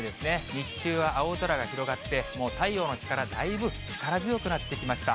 日中は青空が広がって、もう太陽の力、だいぶ力強くなってきました。